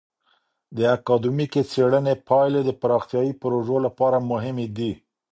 د اکادمیکې څیړنې پایلې د پراختیایي پروژو لپاره مهمې دي.